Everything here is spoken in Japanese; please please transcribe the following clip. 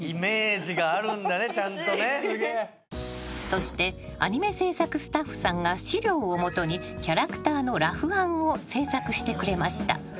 ［そしてアニメ制作スタッフさんが資料を基にキャラクターのラフ案を制作してくれました］